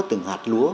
từng hạt lúa